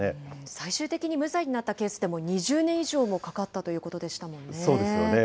最終的に無罪になったケースでも２０年以上もかかったというそうですよね。